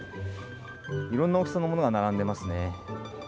いろんな大きさのものがならんでますね。